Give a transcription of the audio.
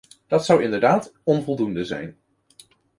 Dat zou inderdaad onvoldoende zijn.